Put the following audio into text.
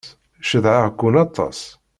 Cedhaɣ-ken aṭas.